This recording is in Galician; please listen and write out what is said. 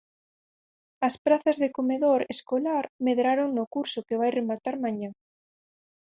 As prazas de comedor escolar medraron no curso que vai rematar mañá.